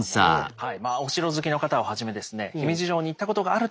はい。